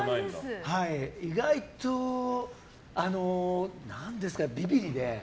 意外とビビりで。